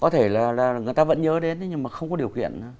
có thể là người ta vẫn nhớ đến nhưng mà không có điều khiển